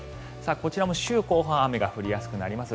こちらも週後半雨が降りやすくなります。